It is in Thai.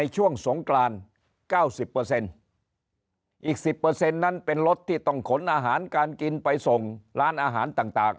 ช่วงสงกราน๙๐อีก๑๐นั้นเป็นรถที่ต้องขนอาหารการกินไปส่งร้านอาหารต่าง